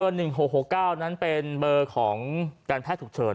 ๑๖๖๙นั้นเป็นเบอร์ของการแพทย์ฉุกเฉิน